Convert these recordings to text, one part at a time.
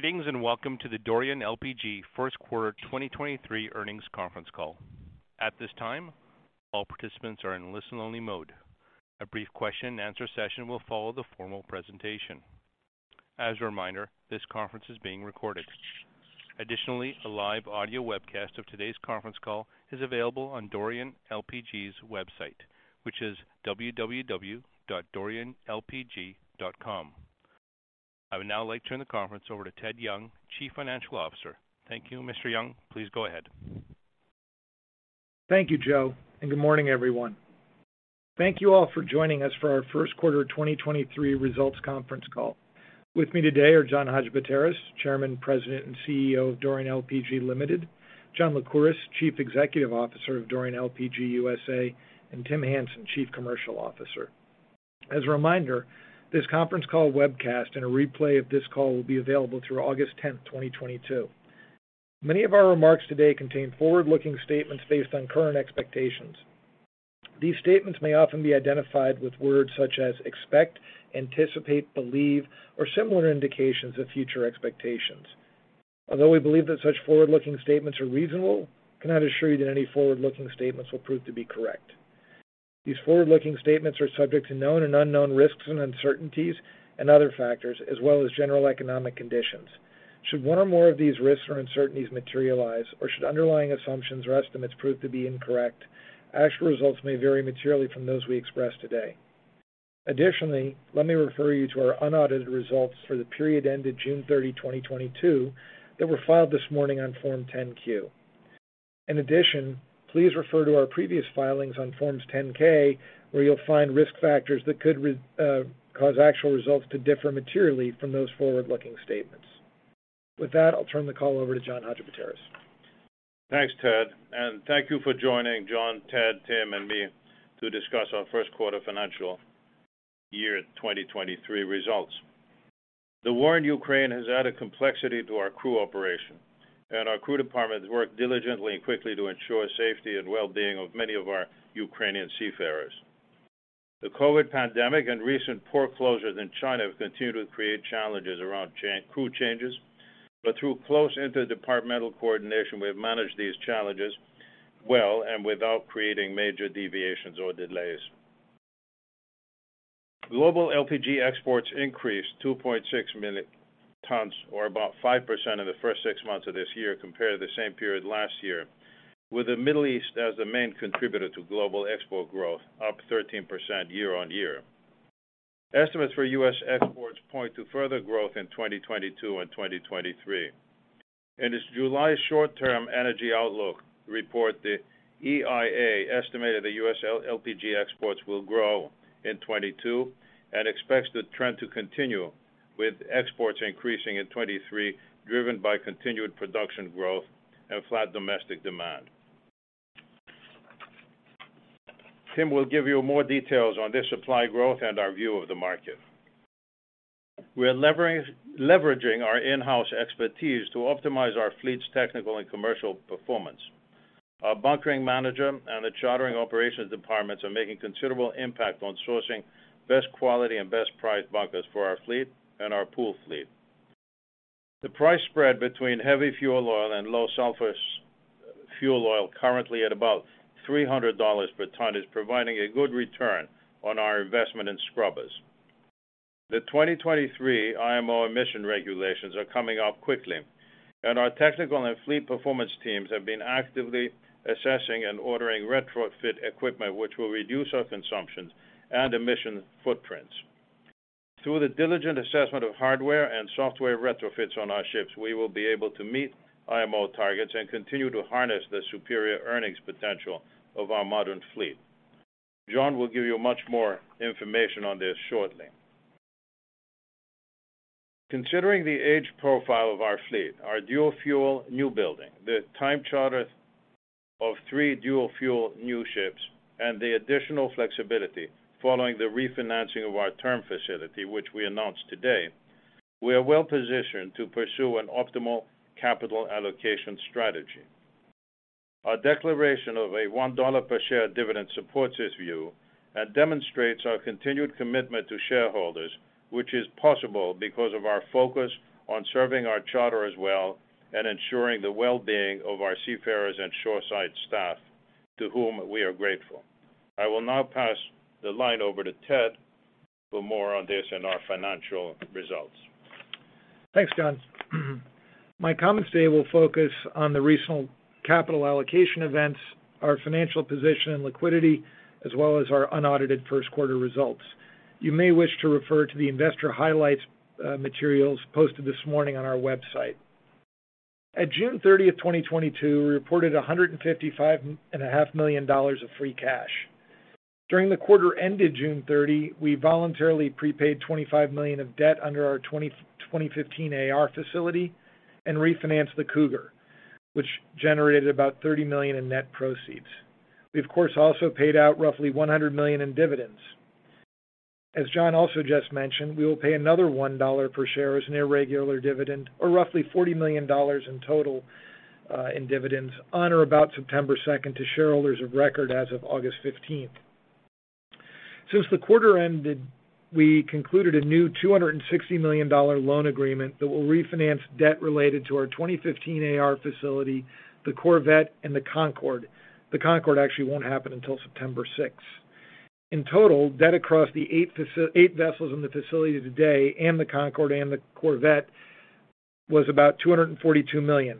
Greetings, and welcome to the Dorian LPG first quarter 2023 earnings conference call. At this time, all participants are in listen-only mode. A brief question and answer session will follow the formal presentation. As a reminder, this conference is being recorded. Additionally, a live audio webcast of today's conference call is available on Dorian LPG's website, which is www.dorianlpg.com. I would now like to turn the conference over to Ted Young, Chief Financial Officer. Thank you, Mr. Young. Please go ahead. Thank you, Joe, and good morning, everyone. Thank you all for joining us for our first quarter 2023 results conference call. With me today are John Hadjipateras, Chairman, President, and CEO of Dorian LPG Limited, John Lycouris, Chief Executive Officer of Dorian LPG USA, and Tim Hansen, Chief Commercial Officer. As a reminder, this conference call webcast and a replay of this call will be available through August 10, 2022. Many of our remarks today contain forward-looking statements based on current expectations. These statements may often be identified with words such as expect, anticipate, believe, or similar indications of future expectations. Although we believe that such forward-looking statements are reasonable, we cannot assure you that any forward-looking statements will prove to be correct. These forward-looking statements are subject to known and unknown risks and uncertainties and other factors as well as general economic conditions. Should one or more of these risks or uncertainties materialize or should underlying assumptions or estimates prove to be incorrect, actual results may vary materially from those we express today. Additionally, let me refer you to our unaudited results for the period ended June 30, 2022, that were filed this morning on Form 10-Q. In addition, please refer to our previous filings on Forms 10-K, where you'll find risk factors that could cause actual results to differ materially from those forward-looking statements. With that, I'll turn the call over to John Hadjipateras. Thanks, Ted, and thank you for joining John, Ted, Tim, and me to discuss our first quarter fiscal year 2023 results. The war in Ukraine has added complexity to our crew operation, and our crew department has worked diligently and quickly to ensure safety and well-being of many of our Ukrainian seafarers. The COVID pandemic and recent port closures in China have continued to create challenges around crew changes, but through close interdepartmental coordination, we have managed these challenges well and without creating major deviations or delays. Global LPG exports increased 2.6 million tons or about 5% in the first six months of this year compared to the same period last year, with the Middle East as the main contributor to global export growth, up 13% year-on-year. Estimates for U.S. exports point to further growth in 2022 and 2023. In its July short-term energy outlook report, the EIA estimated the U.S. LPG exports will grow in 2022 and expects the trend to continue, with exports increasing in 2023, driven by continued production growth and flat domestic demand. Tim will give you more details on this supply growth and our view of the market. We are leveraging our in-house expertise to optimize our fleet's technical and commercial performance. Our bunkering manager and the chartering operations departments are making considerable impact on sourcing best quality and best price bunkers for our fleet and our pool fleet. The price spread between heavy fuel oil and low sulfur fuel oil, currently at about $300 per ton, is providing a good return on our investment in scrubbers. The 2023 IMO emissions regulations are coming up quickly, and our technical and fleet performance teams have been actively assessing and ordering retrofit equipment which will reduce our consumption and emissions footprints. Through the diligent assessment of hardware and software retrofits on our ships, we will be able to meet IMO targets and continue to harness the superior earnings potential of our modern fleet. John will give you much more information on this shortly. Considering the age profile of our fleet, our dual-fuel newbuilding, the time charter of three dual-fuel new ships, and the additional flexibility following the refinancing of our term facility, which we announced today, we are well-positioned to pursue an optimal capital allocation strategy. Our declaration of a $1 per share dividend supports this view and demonstrates our continued commitment to shareholders, which is possible because of our focus on serving our charters well and ensuring the well-being of our seafarers and shoreside staff to whom we are grateful. I will now pass the line over to Ted for more on this and our financial results. Thanks, John. My comments today will focus on the recent capital allocation events, our financial position and liquidity, as well as our unaudited first quarter results. You may wish to refer to the investor highlights materials posted this morning on our website. At June 30, 2022, we reported $155 and a half million of free cash. During the quarter ended June 30, we voluntarily prepaid $25 million of debt under our 2015 AR facility and refinanced the Cougar, which generated about $30 million in net proceeds. We, of course, also paid out roughly $100 million in dividends. As John also just mentioned, we will pay another $1 per share as an irregular dividend or roughly $40 million in total in dividends on or about September 2nd to shareholders of record as of August 15th. Since the quarter ended, we concluded a new $260 million loan agreement that will refinance debt related to our 2015 AR facility, the Corvette and the Concorde. The Concorde actually won't happen until September 6. In total, debt across the eight vessels in the facility today, and the Concorde and the Corvette, was about $242 million.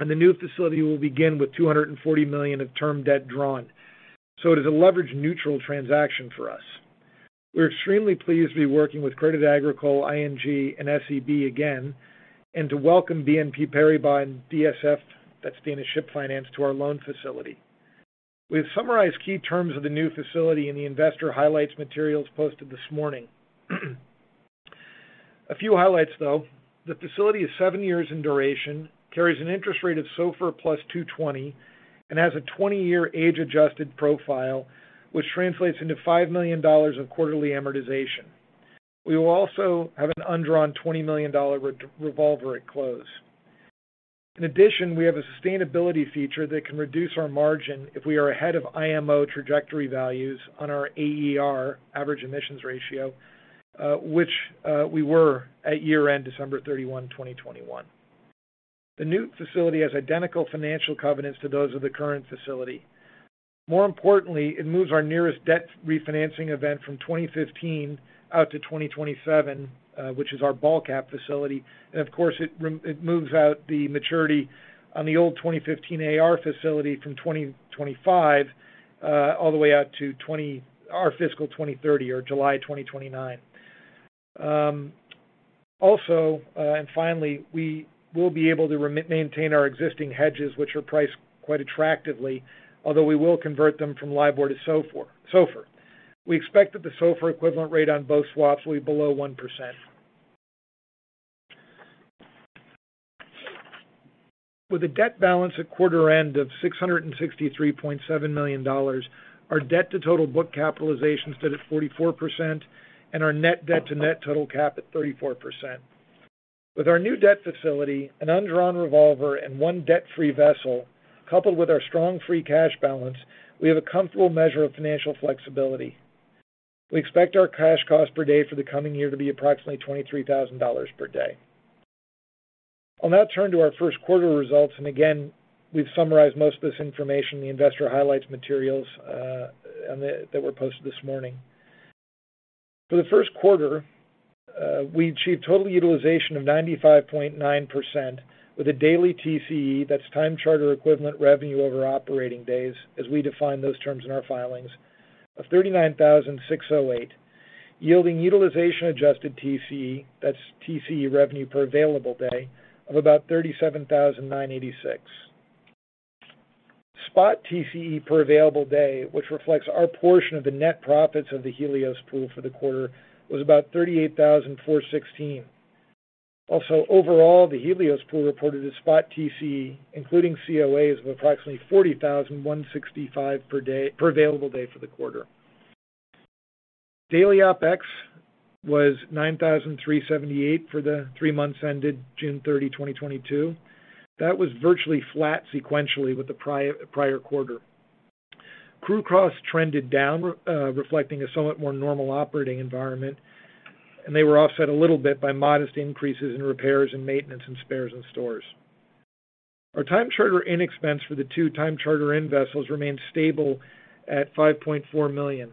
The new facility will begin with $240 million of term debt drawn. It is a leverage neutral transaction for us. We're extremely pleased to be working with Crédit Agricole, ING, and SEB again, and to welcome BNP Paribas and DSF, that's Danish Ship Finance, to our loan facility. We've summarized key terms of the new facility in the investor highlights materials posted this morning. A few highlights, though. The facility is seven years in duration, carries an interest rate of SOFR +2.20, and has a 20-year age-adjusted profile, which translates into $5 million of quarterly amortization. We will also have an undrawn $20 million re-revolver at close. In addition, we have a sustainability feature that can reduce our margin if we are ahead of IMO trajectory values on our AER, average emissions ratio, which we were at year-end December 31, 2021. The new facility has identical financial covenants to those of the current facility. More importantly, it moves our nearest debt refinancing event from 2015 out to 2027, which is our BALCAP facility. Of course, it moves out the maturity on the old 2015 AR facility from 2025 all the way out to our fiscal 2030 or July 2029. Also, finally, we will be able to maintain our existing hedges, which are priced quite attractively, although we will convert them from LIBOR to SOFR. We expect that the SOFR equivalent rate on both swaps will be below 1%. With a debt balance at quarter end of $663.7 million, our debt to total book capitalization stood at 44% and our net debt to net total cap at 34%. With our new debt facility, an undrawn revolver and one debt-free vessel, coupled with our strong free cash balance, we have a comfortable measure of financial flexibility. We expect our cash cost per day for the coming year to be approximately $23,000 per day. I'll now turn to our first quarter results, and again, we've summarized most of this information in the investor highlights materials that were posted this morning. For the first quarter, we achieved total utilization of 95.9% with a daily TCE, that's time charter equivalent revenue over operating days, as we define those terms in our filings, of 39,608, yielding utilization adjusted TCE, that's TCE revenue per available day, of about 37,986. Spot TCE per available day, which reflects our portion of the net profits of the Helios pool for the quarter, was about $38,416. Overall, the Helios pool reported a spot TCE, including COAs, of approximately $40,165 per available day for the quarter. Daily OpEx was $9,378 for the three months ended June 30, 2022. That was virtually flat sequentially with the prior quarter. Crew costs trended down, reflecting a somewhat more normal operating environment, and they were offset a little bit by modest increases in repairs and maintenance and spares and stores. Our time charter in expense for the two time charter in vessels remained stable at $5.4 million.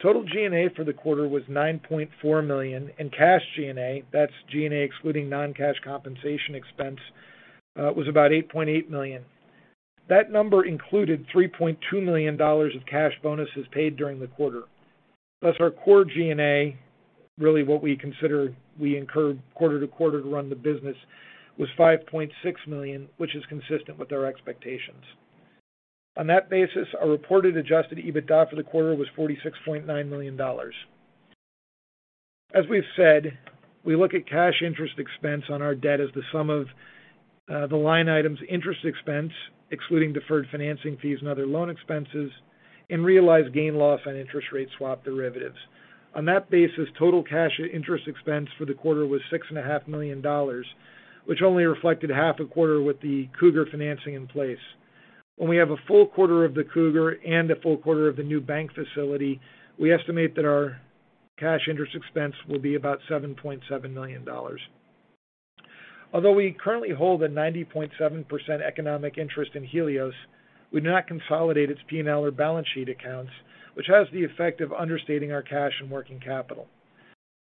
Total G&A for the quarter was $9.4 million, and cash G&A, that's G&A excluding non-cash compensation expense, was about $8.8 million. That number included $3.2 million of cash bonuses paid during the quarter. Thus our core G&A, really what we consider we incurred quarter to quarter to run the business, was $5.6 million, which is consistent with our expectations. On that basis, our reported adjusted EBITDA for the quarter was $46.9 million. As we've said, we look at cash interest expense on our debt as the sum of the line items interest expense, excluding deferred financing fees and other loan expenses, and realized gain loss on interest rate swap derivatives. On that basis, total cash interest expense for the quarter was $6.5 million, which only reflected half a quarter with the Cougar financing in place. When we have a full quarter of the Cougar and a full quarter of the new bank facility, we estimate that our cash interest expense will be about $7.7 million. Although we currently hold a 90.7% economic interest in Helios, we do not consolidate its P&L or balance sheet accounts, which has the effect of understating our cash and working capital.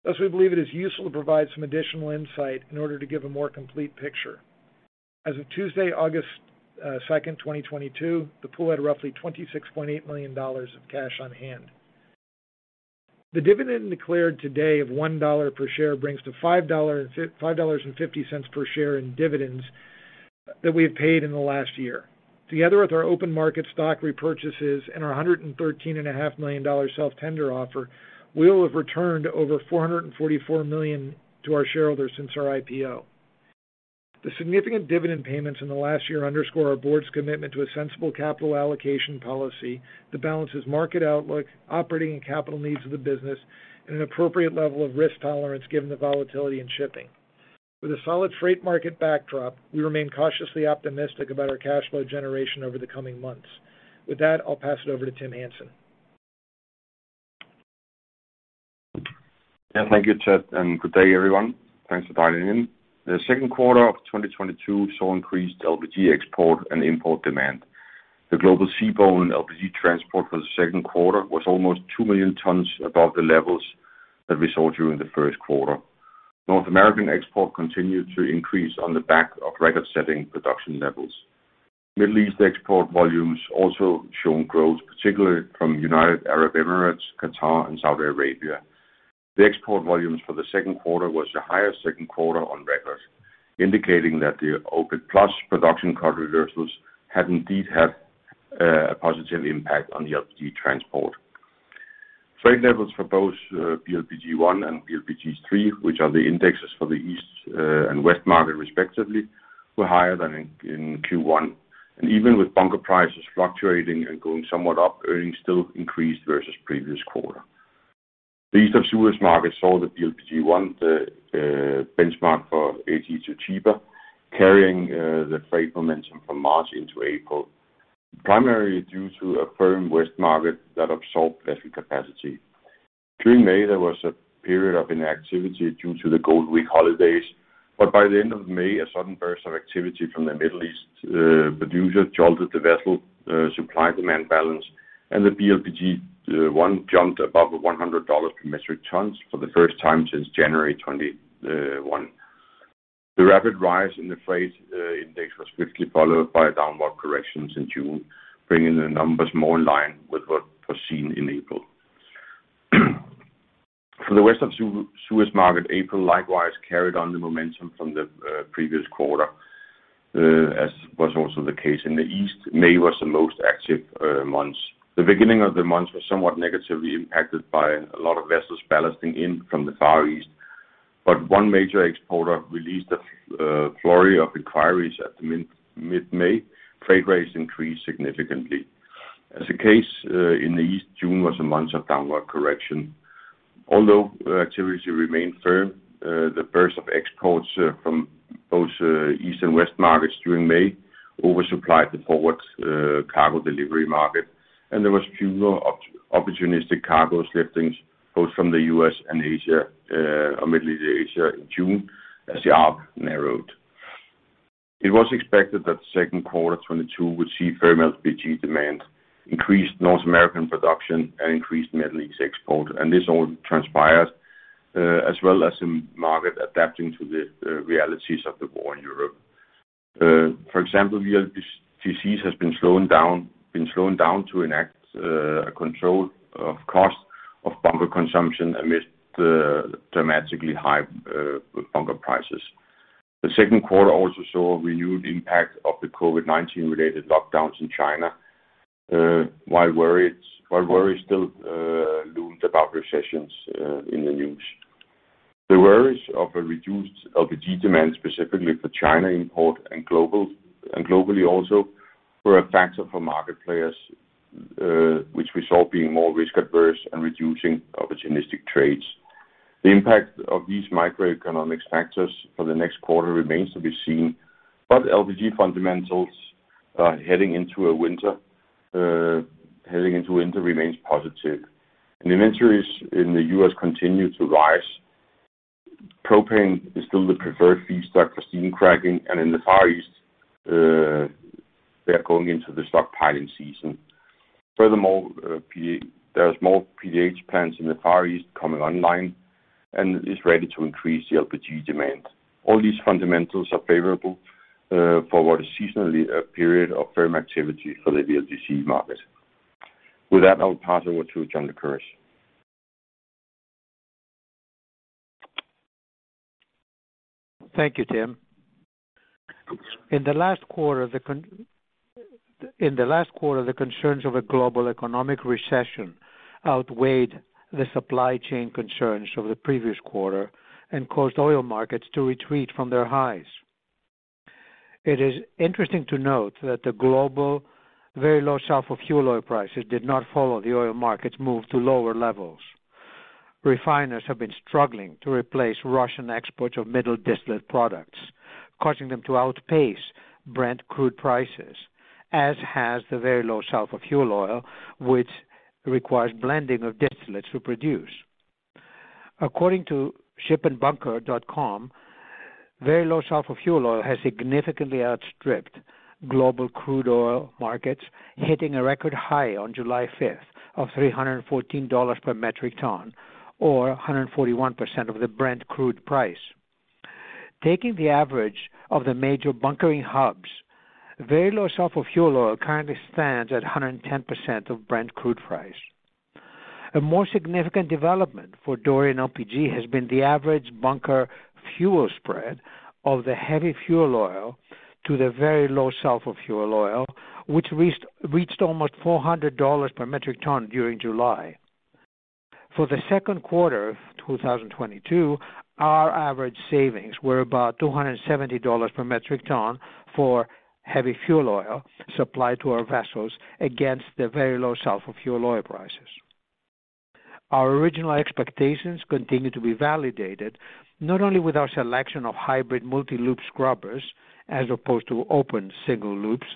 Thus, we believe it is useful to provide some additional insight in order to give a more complete picture. As of Tuesday, August 2nd, 2022, the pool had roughly $26.8 million of cash on hand. The dividend declared today of $1 per share brings to $5.50 per share in dividends that we have paid in the last year. Together with our open market stock repurchases and our $113.5 million self-tender offer, we will have returned over $444 million to our shareholders since our IPO. The significant dividend payments in the last year underscore our board's commitment to a sensible capital allocation policy that balances market outlook, operating and capital needs of the business, and an appropriate level of risk tolerance given the volatility in shipping. With a solid freight market backdrop, we remain cautiously optimistic about our cash flow generation over the coming months. With that, I'll pass it over to Tim Hansen. Yeah, thank you, Ted, and good day everyone. Thanks for dialing in. The second quarter of 2022 saw increased LPG export and import demand. The global seaborne LPG transport for the second quarter was almost 2 million tons above the levels that we saw during the first quarter. North American export continued to increase on the back of record-setting production levels. Middle East export volumes also shown growth, particularly from United Arab Emirates, Qatar and Saudi Arabia. The export volumes for the second quarter was the highest second quarter on record, indicating that the OPEC+ production cut reversals had indeed had a positive impact on the LPG transport. Freight levels for both BLPG1 and BLPG3, which are the indexes for the east and west market respectively, were higher than in Q1. Even with bunker prices fluctuating and going somewhat up, earnings still increased versus previous quarter. The East of Suez market saw the BLPG1, the benchmark for AG to Chiba, carrying the freight momentum from March into April, primarily due to a firm west market that absorbed less capacity. During May, there was a period of inactivity due to the Golden Week holidays, but by the end of May, a sudden burst of activity from the Middle East producer jolted the vessel supply/demand balance, and the BLPG1 jumped above $100 per metric ton for the first time since January 2021. The rapid rise in the freight index was quickly followed by downward corrections in June, bringing the numbers more in line with what was seen in April. For the rest of East of Suez market, April likewise carried on the momentum from the previous quarter. As was also the case in the East, May was the most active month. The beginning of the month was somewhat negatively impacted by a lot of vessels ballasting in from the Far East. One major exporter released a flurry of inquiries at mid-May. Freight rates increased significantly. As was the case in the East, June was a month of downward correction. Although activity remained firm, the burst of exports from both East and West markets during May over-supplied the forward cargo delivery market, and there was fewer opportunistic cargo liftings both from the U.S. and Asia or Middle East in June, as the arb narrowed. It was expected that second quarter 2022 would see firm LPG demand, increased North American production, and increased Middle East export. This all transpired, as well as the market adapting to the realities of the war in Europe. For example, VLGCs have been slowing down to enact a control of cost of bunker consumption amidst the dramatically high bunker prices. The second quarter also saw a renewed impact of the COVID-19 related lockdowns in China, while worries still loomed about recessions in the news. The worries of a reduced LPG demand, specifically for China imports and globally, were a factor for market players, which resulted in being more risk averse and reducing opportunistic trades. The impact of these microeconomic factors for the next quarter remains to be seen, but LPG fundamentals heading into winter remain positive. Inventories in the U.S. continue to rise. Propane is still the preferred feedstock for steam cracking, and in the Far East, they are going into the stockpiling season. Furthermore, there are small PDH plants in the Far East coming online and is ready to increase the LPG demand. All these fundamentals are favorable, for what is seasonally a period of firm activity for the VLGC market. With that, I'll pass over to John Lycouris. Thank you, Tim. In the last quarter, the concerns of a global economic recession outweighed the supply chain concerns of the previous quarter and caused oil markets to retreat from their highs. It is interesting to note that the global very low sulfur fuel oil prices did not follow the oil markets move to lower levels. Refiners have been struggling to replace Russian exports of middle distillate products, causing them to outpace Brent crude prices, as has the very low sulfur fuel oil, which requires blending of distillates to produce. According to Ship & Bunker.com, very low sulfur fuel oil has significantly outstripped global crude oil markets, hitting a record high on July 5th of $314 per metric ton or 141% of the Brent crude price. Taking the average of the major bunkering hubs, very low sulfur fuel oil currently stands at 110% of Brent crude price. A more significant development for Dorian LPG has been the average bunker fuel spread of the heavy fuel oil to the very low sulfur fuel oil, which reached almost $400 per metric ton during July. For the second quarter of 2022, our average savings were about $270 per metric ton for heavy fuel oil supplied to our vessels against the very low sulfur fuel oil prices. Our original expectations continue to be validated, not only with our selection of hybrid multi-loop scrubbers as opposed to open single loops,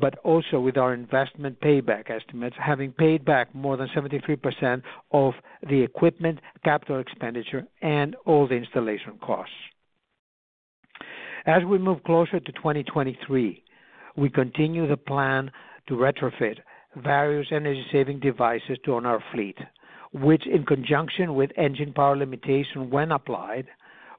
but also with our investment payback estimates having paid back more than 73% of the equipment, capital expenditure, and all the installation costs. As we move closer to 2023, we continue the plan to retrofit various energy saving devices to our fleet, which, in conjunction with engine power limitation when applied,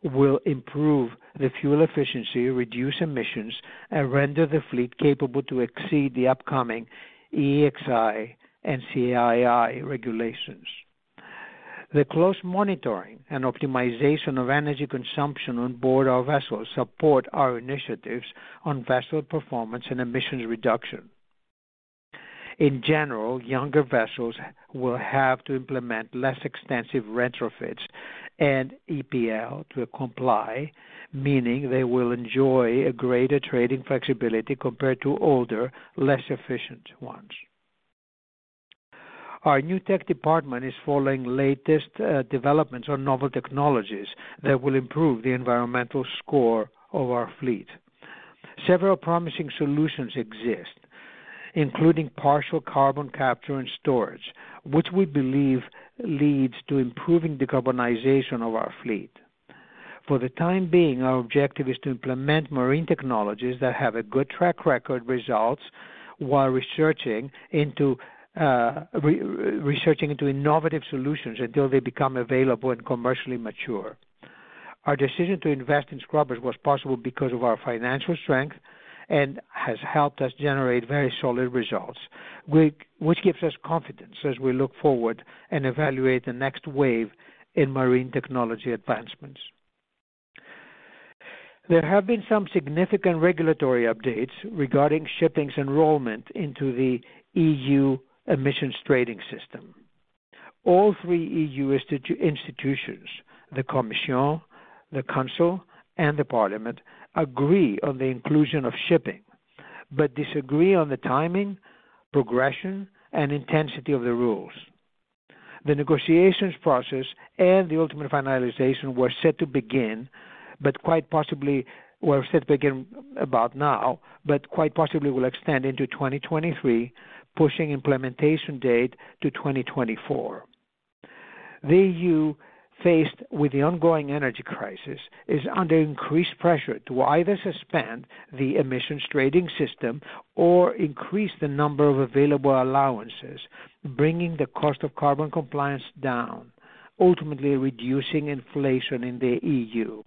will improve the fuel efficiency, reduce emissions, and render the fleet capable to exceed the upcoming EEXI and CII regulations. The close monitoring and optimization of energy consumption on board our vessels support our initiatives on vessel performance and emissions reduction. In general, younger vessels will have to implement less extensive retrofits and EPL to comply, meaning they will enjoy a greater trading flexibility compared to older, less efficient ones. Our new tech department is following the latest developments on novel technologies that will improve the environmental score of our fleet. Several promising solutions exist, including partial carbon capture and storage, which we believe leads to improving decarbonization of our fleet. For the time being, our objective is to implement marine technologies that have a good track record results while researching into innovative solutions until they become available and commercially mature. Our decision to invest in scrubbers was possible because of our financial strength and has helped us generate very solid results, which gives us confidence as we look forward and evaluate the next wave in marine technology advancements. There have been some significant regulatory updates regarding shipping's enrollment into the EU Emissions Trading System. All three EU institutions, the Commission, the Council, and the Parliament, agree on the inclusion of shipping, but disagree on the timing, progression, and intensity of the rules. The negotiations process and the ultimate finalization were set to begin, but quite possibly were set to begin about now, but quite possibly will extend into 2023, pushing implementation date to 2024. The EU, faced with the ongoing energy crisis, is under increased pressure to either suspend the emissions trading system or increase the number of available allowances, bringing the cost of carbon compliance down, ultimately reducing inflation in the EU.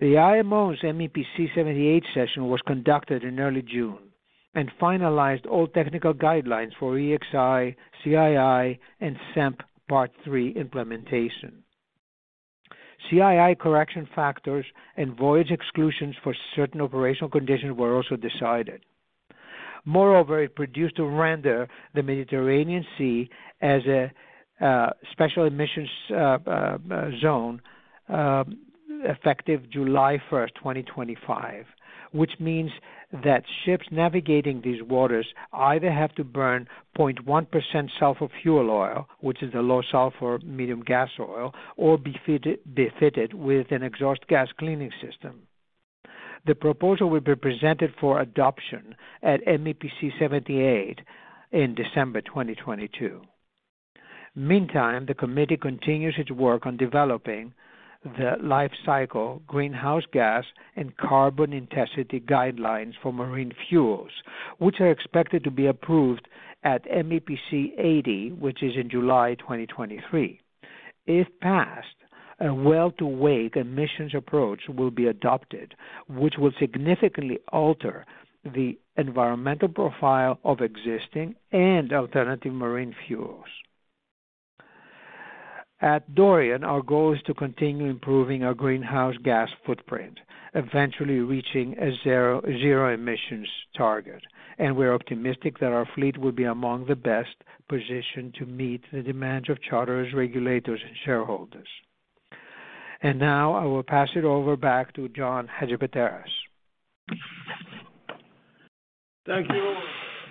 The IMO's MEPC 78 session was conducted in early June and finalized all technical guidelines for EEXI, CII, and SEEMP Part III implementation. CII correction factors and voyage exclusions for certain operational conditions were also decided. Moreover, it proceeded to render the Mediterranean Sea as a special emissions zone effective July 1st, 2025, which means that ships navigating these waters either have to burn 0.1% sulfur fuel oil, which is the low sulfur marine gas oil, or be fitted with an exhaust gas cleaning system. The proposal will be presented for adoption at MEPC 79 in December 2022. Meantime, the committee continues its work on developing the life cycle, greenhouse gas, and carbon intensity guidelines for marine fuels, which are expected to be approved at MEPC 80, which is in July 2023. If passed, a well-to-wake emissions approach will be adopted, which will significantly alter the environmental profile of existing and alternative marine fuels. At Dorian, our goal is to continue improving our greenhouse gas footprint, eventually reaching a 0 emissions target. We're optimistic that our fleet will be among the best positioned to meet the demands of charterers, regulators, and shareholders. Now I will pass it over back to John Hadjipateras. Thank you,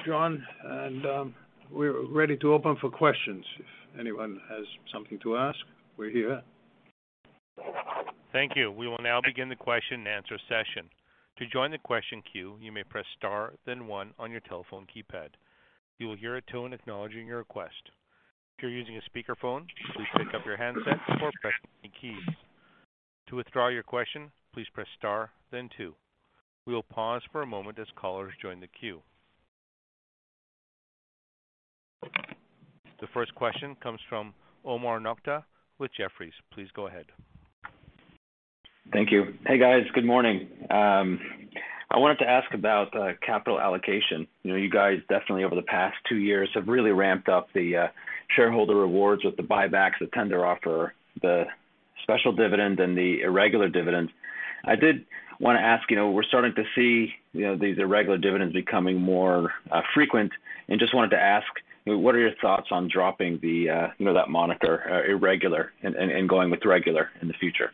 John. We're ready to open for questions. If anyone has something to ask, we're here. Thank you. We will now begin the question-and-answer session. To join the question queue, you may press star, then one on your telephone keypad. You will hear a tone acknowledging your request. If you're using a speakerphone, please pick up your handset before pressing any keys. To withdraw your question, please press star then two. We will pause for a moment as callers join the queue. The first question comes from Omar Nokta with Jefferies. Please go ahead. Thank you. Hey, guys. Good morning. I wanted to ask about capital allocation. You know, you guys definitely over the past two years have really ramped up the shareholder rewards with the buybacks, the tender offer, the special dividend, and the irregular dividends. I did wanna ask, you know, we're starting to see, you know, these irregular dividends becoming more frequent, and just wanted to ask, what are your thoughts on dropping the, you know, that moniker irregular and going with regular in the future?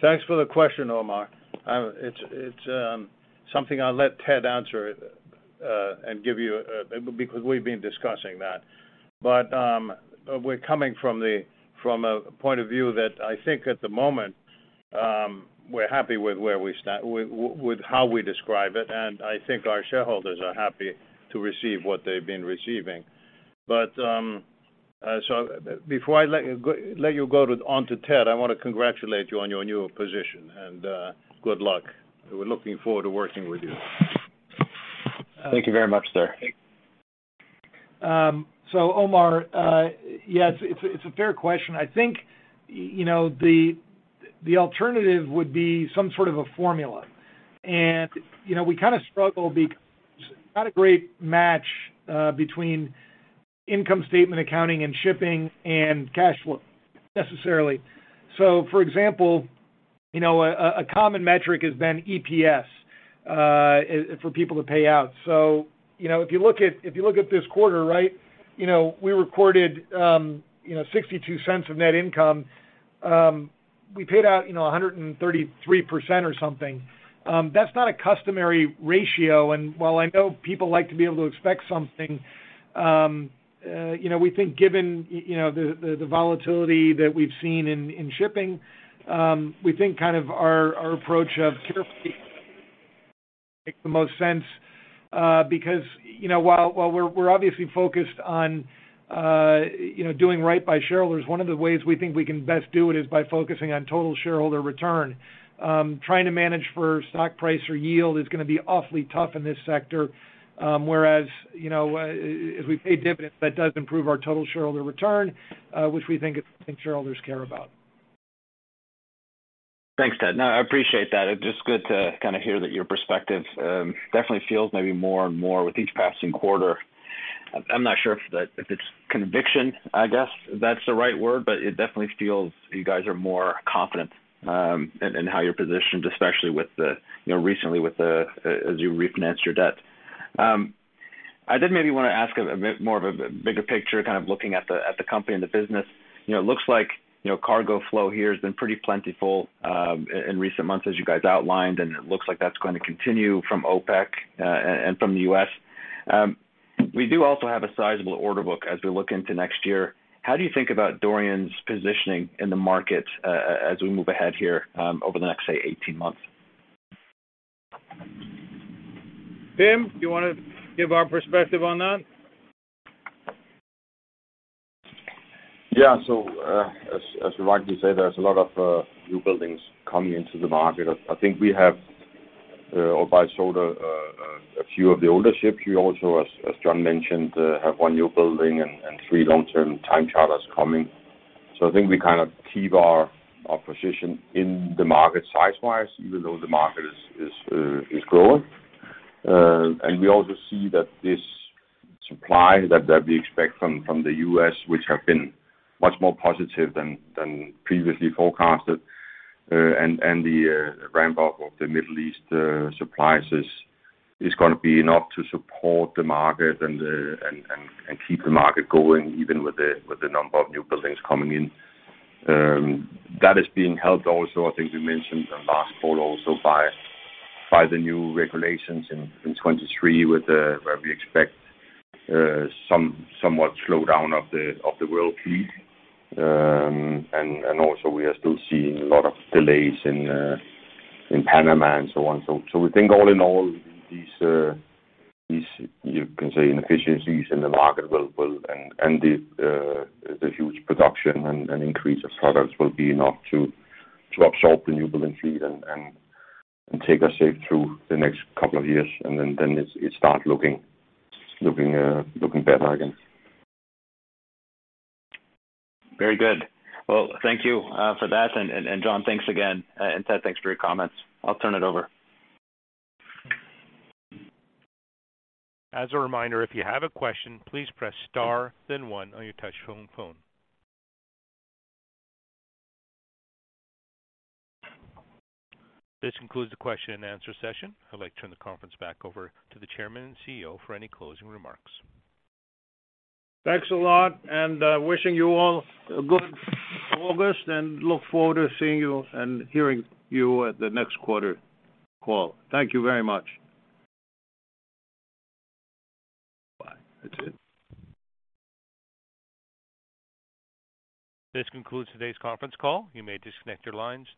Thanks for the question, Omar. It's something I'll let Ted answer and give you because we've been discussing that. We're coming from a point of view that I think at the moment we're happy with how we describe it, and I think our shareholders are happy to receive what they've been receiving. Before I let you go on to Ted, I wanna congratulate you on your new position, and good luck. We're looking forward to working with you. Thank you very much, sir. Omar, yes, it's a fair question. I think, you know, the alternative would be some sort of a formula. You know, we kinda struggle because it's not a great match between income statement accounting and shipping and cash flow, necessarily. For example, you know, a common metric has been EPS for people to pay out. You know, if you look at this quarter, right? You know, we recorded $0.62 of net income. We paid out 133% or something. That's not a customary ratio. While I know people like to be able to expect something, you know, we think given, you know, the volatility that we've seen in shipping, we think kind of our approach of carefully make the most sense, because, you know, while we're obviously focused on, you know, doing right by shareholders, one of the ways we think we can best do it is by focusing on total shareholder return. Trying to manage for stock price or yield is gonna be awfully tough in this sector, whereas, you know, as we pay dividends, that does improve our total shareholder return, which we think is what shareholders care about. Thanks, Ted. No, I appreciate that. It's just good to kinda hear that your perspective definitely feels maybe more and more with each passing quarter. I'm not sure if it's conviction, I guess, if that's the right word, but it definitely feels you guys are more confident in how you're positioned, especially with the you know recently with the as you refinance your debt. I did maybe wanna ask a bit more of a bigger picture kind of looking at the company and the business. You know, it looks like you know cargo flow here has been pretty plentiful in recent months as you guys outlined, and it looks like that's going to continue from OPEC and from the U.S. We do also have a sizable order book as we look into next year. How do you think about Dorian's positioning in the market, as we move ahead here, over the next, say, 18 months? Tim, do you wanna give our perspective on that? Yeah. As you rightly say, there's a lot of new buildings coming into the market. I think we have or buy sort of a few of the older ships. We also, as John mentioned, have one new building and three long-term time charters coming. I think we kinda keep our position in the market size-wise, even though the market is growing. We also see that this supply that we expect from the U.S., which have been much more positive than previously forecasted, and the ramp up of the Middle East supplies is gonna be enough to support the market and keep the market going, even with the number of new buildings coming in. That is being helped also. I think we mentioned the last call also, by the new regulations in 2023, where we expect somewhat slowdown of the world fleet. We are still seeing a lot of delays in Panama and so on. We think all in all, these you can say inefficiencies in the market will and the huge production and an increase of products will be enough to absorb the new building fleet and take us safe through the next couple of years. Then it start looking looking better again. Very good. Well, thank you for that. John, thanks again. Ted, thanks for your comments. I'll turn it over. As a reminder, if you have a question, please press star then one on your touch-tone phone. This concludes the question and answer session. I'd like to turn the conference back over to the chairman and CEO for any closing remarks. Thanks a lot, and wishing you all a good August and look forward to seeing you and hearing you at the next quarter call. Thank you very much. Bye. That's it. This concludes today's conference call. You may disconnect your lines.